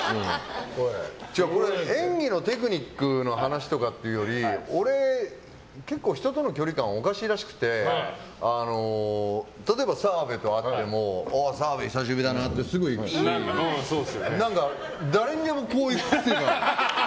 俺、演技のテクニックの話とかというより俺、結構人との距離感おかしいらしくて例えば、澤部と会ってもおお、澤部久しぶりだなってすぐ行くし誰にでもこういく癖がある。